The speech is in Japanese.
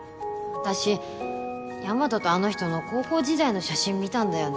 私大和とあの人の高校時代の写真見たんだよね